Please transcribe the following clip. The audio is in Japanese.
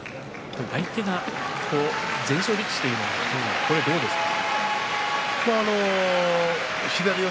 相手が全勝力士というのはどうですか。